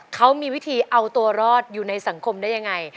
เขามีวิธีเอาตัวรอดอยู่ในสังคมได้ยังไง